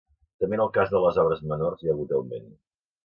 També en el cas de les obres menors hi ha hagut augment.